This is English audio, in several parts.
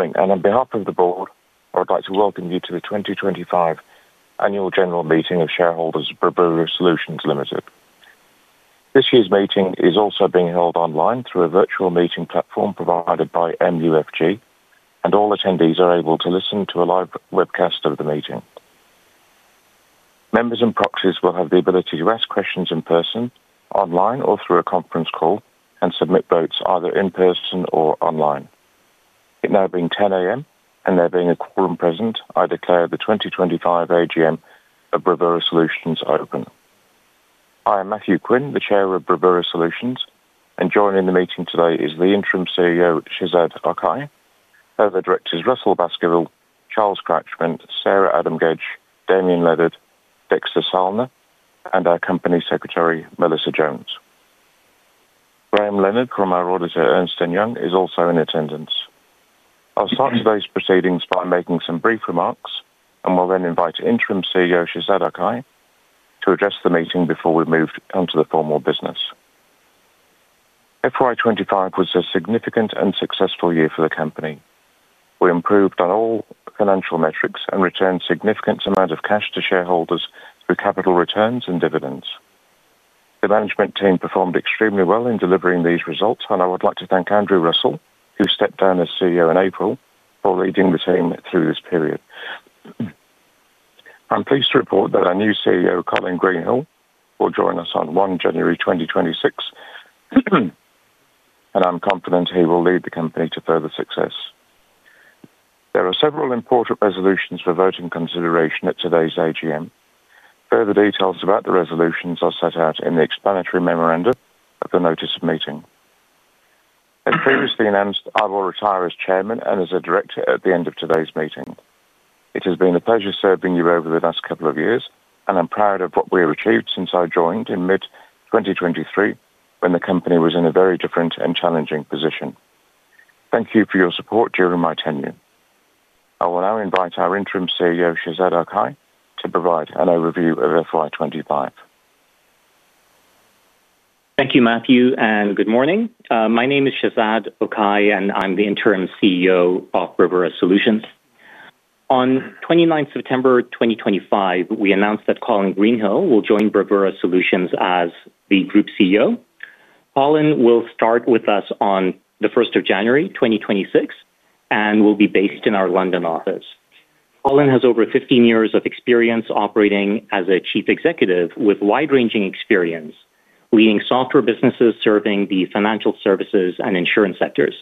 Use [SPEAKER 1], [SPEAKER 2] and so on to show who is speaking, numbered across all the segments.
[SPEAKER 1] Good morning. On behalf of the Board, I would like to welcome you to the 2025 Annual General Meeting of shareholders for Bravura Solutions Limited. This year's meeting is also being held online through a virtual meeting platform provided by MUFG, and all attendees are able to listen to a live webcast of the meeting. Members and proxies will have the ability to ask questions in person, online, or through a conference call and submit votes either in person or online. It now being 10:00 A.M. and there being a quorum present, I declare the 2025 AGM of Bravura Solutions open. I am Matthew Quinn, the Chair of Bravura Solutions, and joining the meeting today is the Interim CEO Shezad Okhai, further Directors Russell Baskerville, Charles Cratchman, Sarah Adam-Gedge, Damian Ledard, Dexter Salma, and our Company Secretary, Melissa Jones. Graham Leonard from our auditor, Ernst & Young, is also in attendance. I'll start today's proceedings by making some brief remarks, and we'll then invite Interim CEO Shezad Okhai to address the meeting before we move on to the formal business. FY 2025 was a significant and successful year for the company. We improved on all financial metrics and returned a significant amount of cash to shareholders through capital returns and dividends. The management team performed extremely well in delivering these results, and I would like to thank Andrew Russell, who stepped down as CEO in April, for leading the team through this period. I'm pleased to report that our new CEO, Colin Greenhill, will join us on 1st January 2026, and I'm confident he will lead the company to further success. There are several important resolutions for voting consideration at today's AGM. Further details about the resolutions are set out in the explanatory memorandum of the notice of meeting. As previously announced, I will retire as Chairman and as a Director at the end of today's meeting. It has been a pleasure serving you over the last couple of years, and I'm proud of what we have achieved since I joined in mid-2023 when the company was in a very different and challenging position. Thank you for your support during my tenure. I will now invite our Interim CEO, Shezad Okhai, to provide an overview of FY 2025.
[SPEAKER 2] Thank you, Matthew, and good morning. My name is Shezad Okhai, and I'm the Interim CEO of Bravura Solutions Limited. On September 29th, 2025, we announced that Colin Greenhill will join Bravura Solutions as the Group CEO. Colin will start with us on January 1st, 2026, and will be based in our London office. Colin has over 15 years of experience operating as a Chief Executive with wide-ranging experience, leading software businesses serving the financial services and insurance sectors.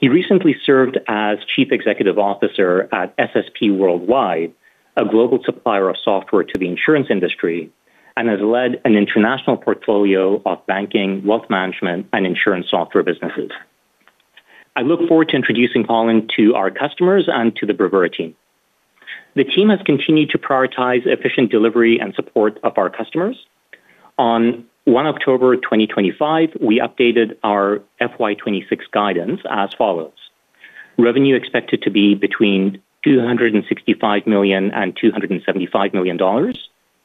[SPEAKER 2] He recently served as Chief Executive Officer at SSP Worldwide, a global supplier of software to the insurance industry, and has led an international portfolio of banking, wealth management, and insurance software businesses. I look forward to introducing Colin to our customers and to the Bravura team. The team has continued to prioritize efficient delivery and support of our customers. On October 1st, 2025, we updated our FY 2026 guidance as follows: revenue expected to be between $265 million and $275 million,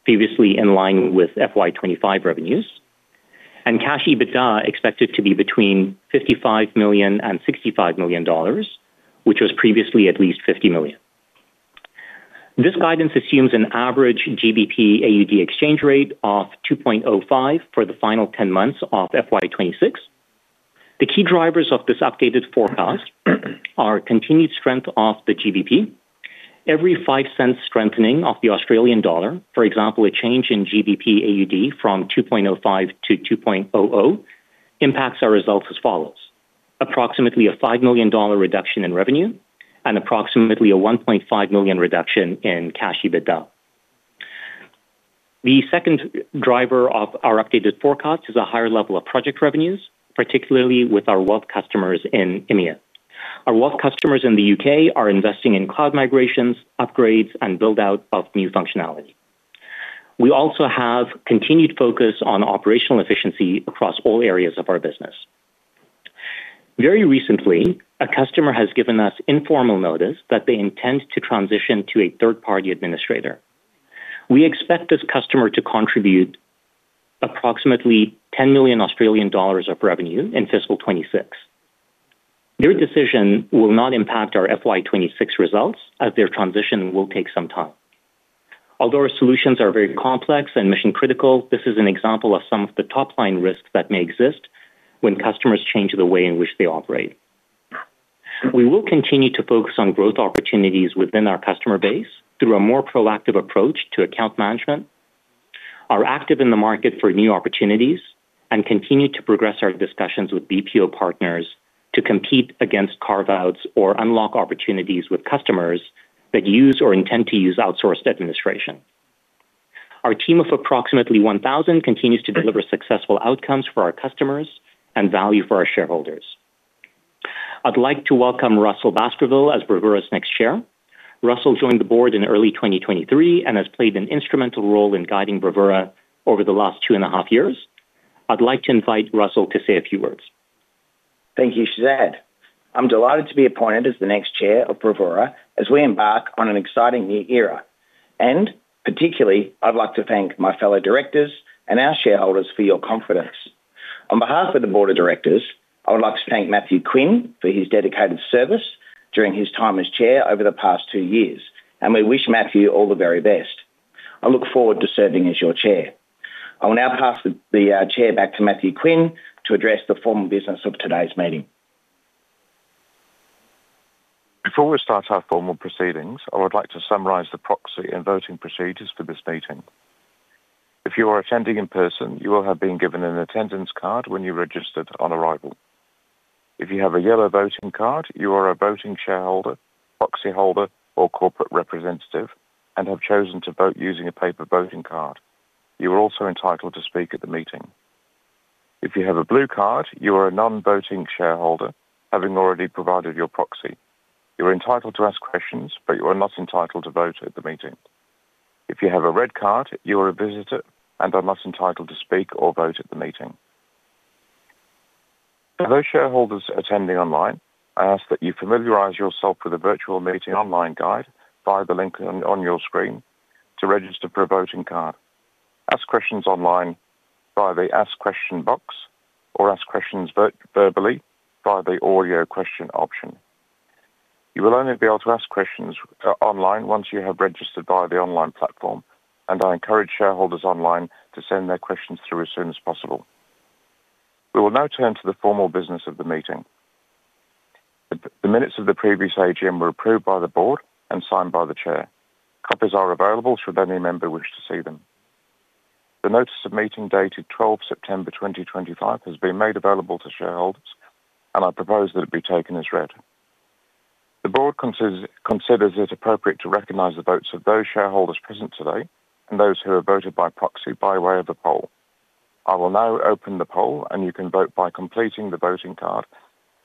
[SPEAKER 2] previously in line with FY 2025 revenues, and cash EBITDA expected to be between $55 million and $65 million, which was previously at least $50 million. This guidance assumes an average GBP/AUD exchange rate of 2.05 for the final 10 months of FY 2026. The key drivers of this updated forecast are continued strength of the GBP. Every 0.05 strengthening of the Australian dollar, for example, a change in GBP/AUD from 2.05 to 2.00, impacts our results as follows: approximately a $5 million reduction in revenue and approximately a $1.5 million reduction in cash EBITDA. The second driver of our updated forecast is a higher level of project revenues, particularly with our wealth customers in EMEA. Our wealth customers in the U.K. are investing in cloud migrations, upgrades, and build-out of new functionality. We also have continued focus on operational efficiency across all areas of our business. Very recently, a customer has given us informal notice that they intend to transition to a third-party administrator. We expect this customer to contribute approximately 10 million Australian dollars of revenue in fiscal 2026. Their decision will not impact our FY 2026 results, as their transition will take some time. Although our solutions are very complex and mission-critical, this is an example of some of the top-line risks that may exist when customers change the way in which they operate. We will continue to focus on growth opportunities within our customer base through a more proactive approach to account management. Our active in the market for new opportunities and continue to progress our discussions with BPO partners to compete against carve-outs or unlock opportunities with customers that use or intend to use outsourced administration. Our team of approximately 1,000 continues to deliver successful outcomes for our customers and value for our shareholders. I'd like to welcome Russell Baskerville as Bravura's next Chair. Russell joined the Board in early 2023 and has played an instrumental role in guiding Bravura over the last two and a half years. I'd like to invite Russell to say a few words.
[SPEAKER 3] Thank you, Shezad. I'm delighted to be appointed as the next Chair of Bravura as we embark on an exciting new era. I would particularly like to thank my fellow Directors and our shareholders for your confidence. On behalf of the Board of Directors, I would like to thank Matthew Quinn for his dedicated service during his time as Chair over the past two years, and we wish Matthew all the very best. I look forward to serving as your Chair. I will now pass the Chair back to Matthew Quinn to address the formal business of today's meeting.
[SPEAKER 1] Before we start our formal proceedings, I would like to summarize the proxy and voting procedures for this meeting. If you are attending in person, you will have been given an attendance card when you registered on arrival. If you have a yellow voting card, you are a voting shareholder, proxy holder, or corporate representative and have chosen to vote using a paper voting card. You are also entitled to speak at the meeting. If you have a blue card, you are a non-voting shareholder, having already provided your proxy. You are entitled to ask questions, but you are not entitled to vote at the meeting. If you have a red card, you are a visitor and are not entitled to speak or vote at the meeting. For those shareholders attending online, I ask that you familiarize yourself with the virtual meeting online guide via the link on your screen to register for a voting card, ask questions online via the ask question box or ask questions verbally via the audio question option. You will only be able to ask questions online once you have registered via the online platform, and I encourage shareholders online to send their questions through as soon as possible. We will now turn to the formal business of the meeting. The minutes of the previous AGM were approved by the Board and signed by the Chair. Copies are available should any member wish to see them. The notice of meeting dated 12th September 2025 has been made available to shareholders, and I propose that it be taken as read. The Board considers it appropriate to recognize the votes of those shareholders present today and those who have voted by proxy by way of the poll. I will now open the poll, and you can vote by completing the voting card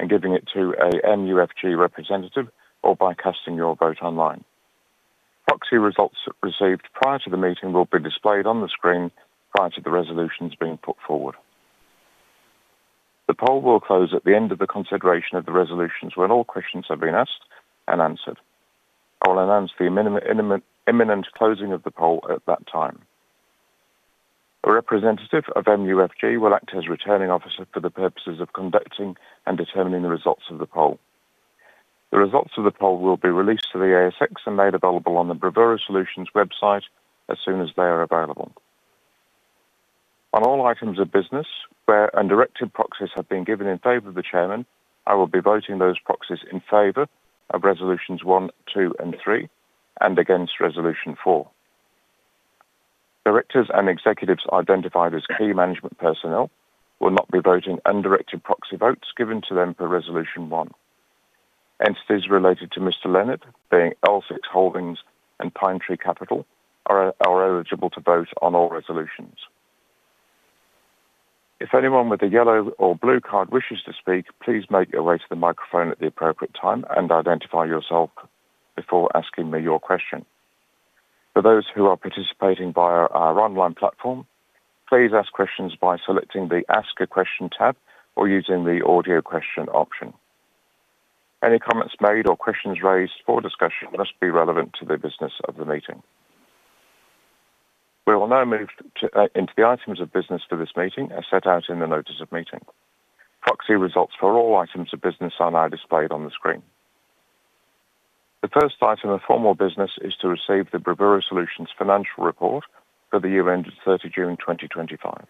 [SPEAKER 1] and giving it to an MUFG representative or by casting your vote online. Proxy results received prior to the meeting will be displayed on the screen prior to the resolutions being put forward. The poll will close at the end of the consideration of the resolutions when all questions have been asked and answered. I will announce the imminent closing of the poll at that time. A representative of MUFG will act as returning officer for the purposes of conducting and determining the results of the poll. The results of the poll will be released to the ASX and made available on the Bravura Solutions website as soon as they are available. On all items of business where undirected proxies have been given in favor of the Chairman, I will be voting those proxies in favor of resolutions one, two, and three, and against resolution four. Directors and executives identified as Key Management Personnel will not be voting undirected proxy votes given to them per resolution one. Entities related to Mr. Leonard, being L6 Holdings and Pinetree Capital, are eligible to vote on all resolutions. If anyone with a yellow or blue card wishes to speak, please make your way to the microphone at the appropriate time and identify yourself before asking me your question. For those who are participating via our online platform, please ask questions by selecting the Ask a Question tab or using the Audio Question option. Any comments made or questions raised for discussion must be relevant to the business of the meeting. We will now move into the items of business for this meeting as set out in the notice of meeting. Proxy results for all items of business are now displayed on the screen. The first item of formal business is to receive the Bravura Solutions financial report for the year ended 30th June 2025.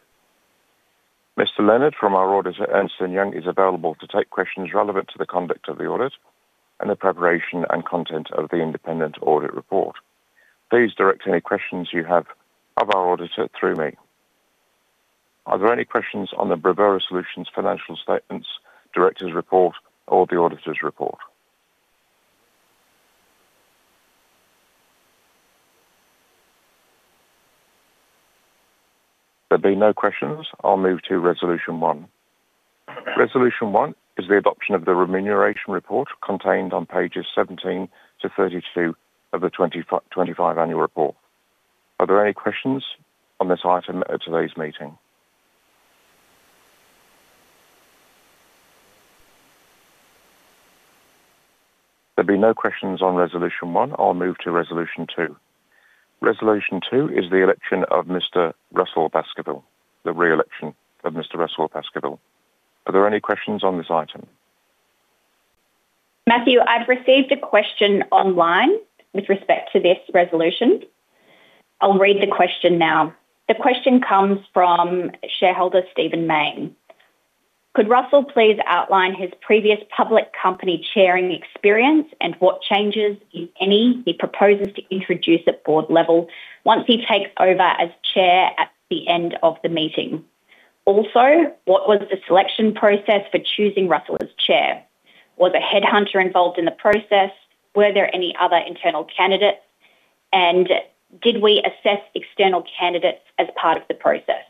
[SPEAKER 1] Mr. Leonard from our auditor, Ernst & Young, is available to take questions relevant to the conduct of the audit and the preparation and content of the independent audit report. Please direct any questions you have of our auditor through me. Are there any questions on the Bravura Solutions financial statements, Director's Report, or the auditor's report? There being no questions, I'll move to resolution one. Resolution one is the adoption of the remuneration report contained on pages 17 to 32 of the 2025 annual report. Are there any questions on this item at today's meeting? There being no questions on resolution one, I'll move to resolution two. Resolution two is the election of Mr. Russell Baskerville, the reelection of Mr. Russell Baskerville. Are there any questions on this item?
[SPEAKER 4] Matthew, I've received a question online with respect to this resolution. I'll read the question now. The question comes from shareholder Stephen Main. Could Russell please outline his previous public company chairing experience and what changes, if any, he proposes to introduce at Board level once he takes over as Chair at the end of the meeting? Also, what was the selection process for choosing Russell as Chair? Was a headhunter involved in the process? Were there any other internal candidates? Did we assess external candidates as part of the process?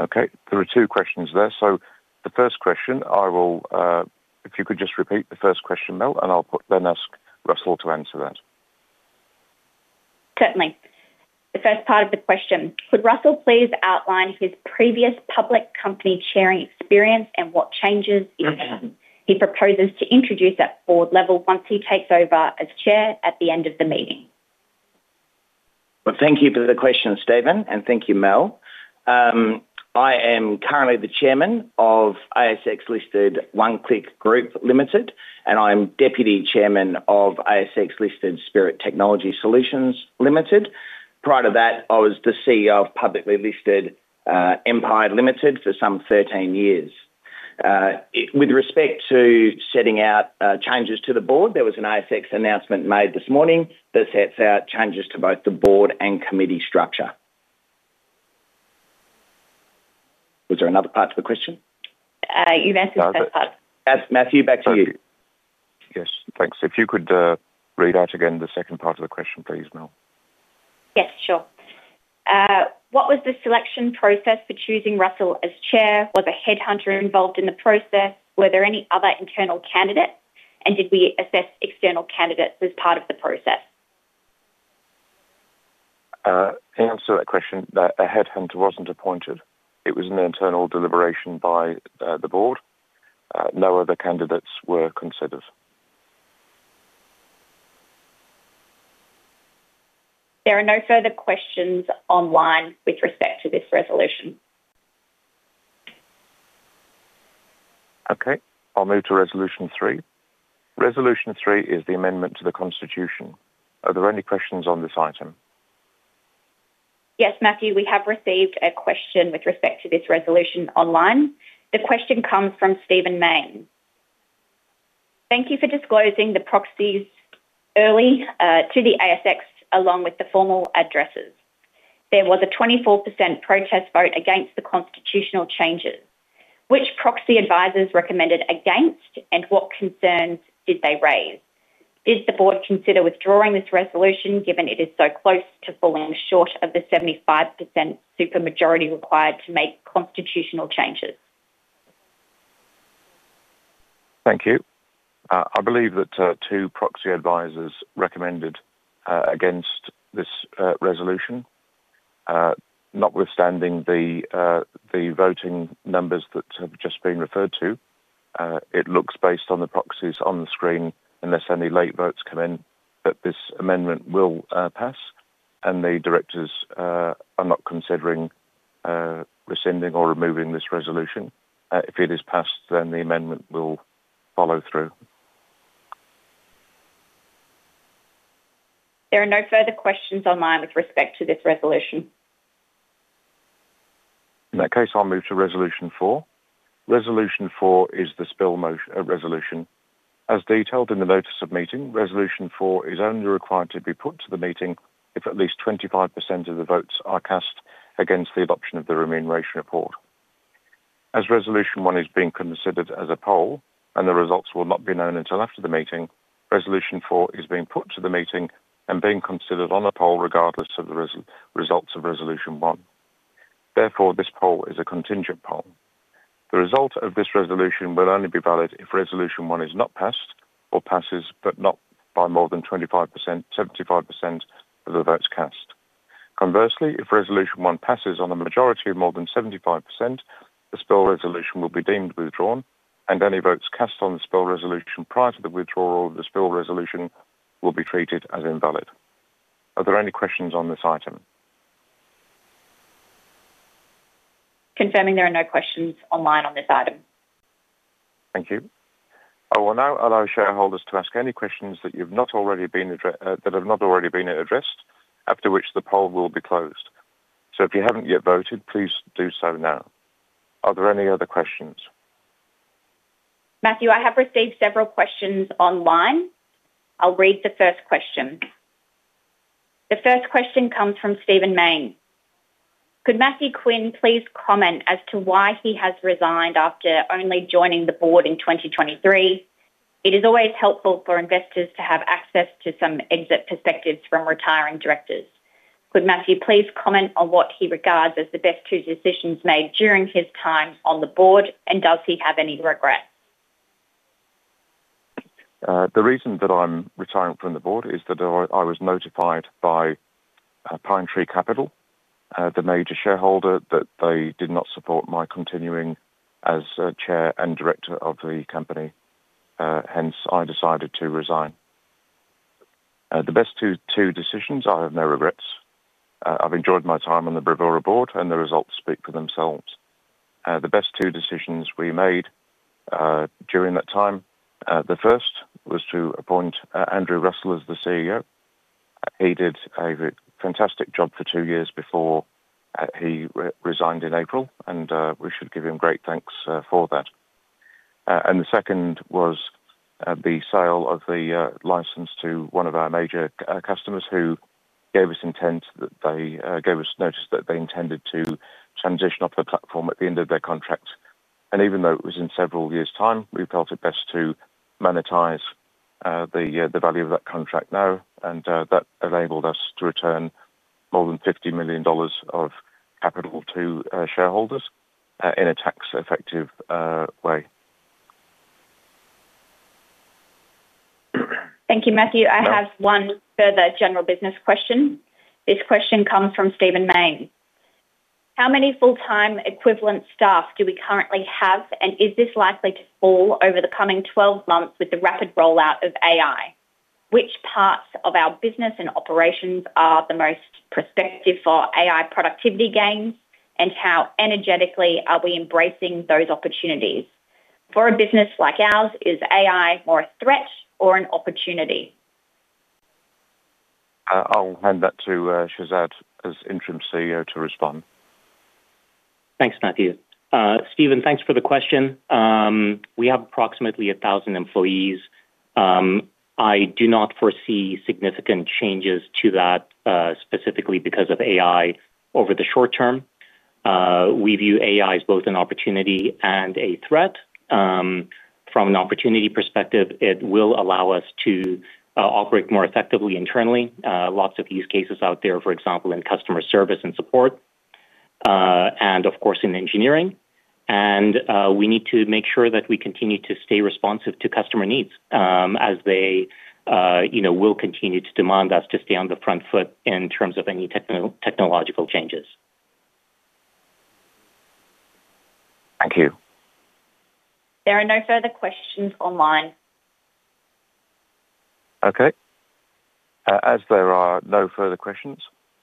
[SPEAKER 1] Okay. There are two questions there. The first question, if you could just repeat the first question, Mel, I'll then ask Russell to answer that.
[SPEAKER 4] Certainly. The first part of the question, could Russell please outline his previous public company chairing experience and what changes, if any, he proposes to introduce at Board level once he takes over as Chair at the end of the meeting?
[SPEAKER 3] Thank you for the question, Stephen, and thank you, Mel. I am currently the Chairman of ASX-listed One Click Group Limited, and I'm Deputy Chairman of ASX-listed Spirit Technology Solutions Limited. Prior to that, I was the CEO of publicly listed Empire Limited for some 13 years. With respect to setting out changes to the Board, there was an ASX announcement made this morning that sets out changes to both the Board and committee structure. Was there another part to the question?
[SPEAKER 4] You've answered the first part.
[SPEAKER 3] Matthew, back to you.
[SPEAKER 1] Yes, thanks. If you could read out again the second part of the question, please, Mel.
[SPEAKER 4] Yes, sure. What was the selection process for choosing Russell as Chair? Was a headhunter involved in the process? Were there any other internal candidates? Did we assess external candidates as part of the process?
[SPEAKER 1] To answer that question, a headhunter wasn't appointed. It was an internal deliberation by the Board. No other candidates were considered.
[SPEAKER 4] There are no further questions online with respect to this resolution.
[SPEAKER 1] Okay. I'll move to resolution three. Resolution three is the amendment to the constitution. Are there any questions on this item?
[SPEAKER 4] Yes, Matthew, we have received a question with respect to this resolution online. The question comes from Stephen Main. Thank you for disclosing the proxies early to the ASX along with the formal addresses. There was a 24% protest vote against the constitutional changes. Which proxy advisors recommended against, and what concerns did they raise? Did the Board consider withdrawing this resolution given it is so close to falling short of the 75% super majority required to make constitutional changes?
[SPEAKER 1] Thank you. I believe that two proxy advisors recommended against this resolution, notwithstanding the voting numbers that have just been referred to. It looks, based on the proxies on the screen, unless any late votes come in, that this amendment will pass, and the directors are not considering rescinding or removing this resolution. If it is passed, the amendment will follow through.
[SPEAKER 4] There are no further questions online with respect to this resolution.
[SPEAKER 1] In that case, I'll move to resolution four. Resolution four is the spill motion resolution. As detailed in the notice of meeting, resolution four is only required to be put to the meeting if at least 25% of the votes are cast against the adoption of the remuneration report. As resolution one is being considered as a poll, and the results will not be known until after the meeting, resolution four is being put to the meeting and being considered on a poll regardless of the results of resolution one. Therefore, this poll is a contingent poll. The result of this resolution will only be valid if resolution one is not passed or passes but not by more than 25%, 75% of the votes cast. Conversely, if resolution one passes on a majority of more than 75%, the spill resolution will be deemed withdrawn, and any votes cast on the spill resolution prior to the withdrawal of the spill resolution will be treated as invalid. Are there any questions on this item?
[SPEAKER 4] Confirming there are no questions online on this item.
[SPEAKER 1] Thank you. I will now allow shareholders to ask any questions that have not already been addressed, after which the poll will be closed. If you haven't yet voted, please do so now. Are there any other questions?
[SPEAKER 4] Matthew, I have received several questions online. I'll read the first question. The first question comes from Stephen Main. Could Matthew Quinn please comment as to why he has resigned after only joining the Board in 2023? It is always helpful for investors to have access to some exit perspectives from retiring directors. Could Matthew please comment on what he regards as the best two decisions made during his time on the Board, and does he have any regrets?
[SPEAKER 1] The reason that I'm retiring from the Board is that I was notified by Pinetree Capital, the major shareholder, that they did not support my continuing as Chair and Director of the company. Hence, I decided to resign. The best two decisions, I have no regrets. I've enjoyed my time on the Bravura Board, and the results speak for themselves. The best two decisions we made during that time, the first was to appoint Andrew Russell as the CEO. He did a fantastic job for two years before he resigned in April, and we should give him great thanks for that. The second was the sale of the license to one of our major customers who gave us notice that they intended to transition off the platform at the end of their contract. Even though it was in several years' time, we felt it best to monetize the value of that contract now, and that enabled us to return more than $50 million of capital to shareholders in a tax-effective way.
[SPEAKER 4] Thank you, Matthew. I have one further general business question. This question comes from Stephen Main. How many full-time equivalent staff do we currently have, and is this likely to fall over the coming 12 months with the rapid rollout of AI? Which parts of our business and operations are the most prospective for AI productivity gains, and how energetically are we embracing those opportunities? For a business like ours, is AI more a threat or an opportunity?
[SPEAKER 1] I'll hand that to Shezad as Interim CEO to respond.
[SPEAKER 2] Thanks, Matthew. Stephen, thanks for the question. We have approximately 1,000 employees. I do not foresee significant changes to that specifically because of AI over the short term. We view AI as both an opportunity and a threat. From an opportunity perspective, it will allow us to operate more effectively internally. Lots of use cases out there, for example, in customer service and support, and of course, in engineering. We need to make sure that we continue to stay responsive to customer needs as they will continue to demand us to stay on the front foot in terms of any technological changes.
[SPEAKER 1] Thank you.
[SPEAKER 4] There are no further questions online.
[SPEAKER 1] Okay. As there are no further questions,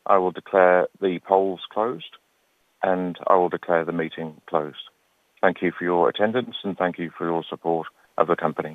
[SPEAKER 1] I will declare the polls closed, and I will declare the meeting closed. Thank you for your attendance, and thank you for your support of the company.